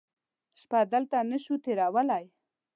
شپه دلته نه شو تېرولی.